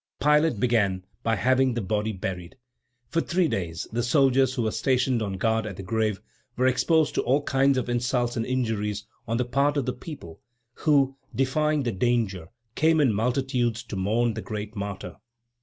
Pilate began by having the body buried. For three days the soldiers who were stationed on guard at the grave, were exposed to all kinds of insults and injuries on the part of the people who, defying the danger, came in multitudes to mourn the great martyr.